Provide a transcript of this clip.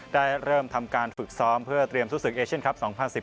ได้เริ่มทำการฝึกซ้อมเพื่อเตรียมสู้ศึกเอเชียนคลับ๒๐๑๘